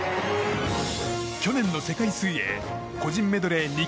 去年の世界水泳個人メドレー２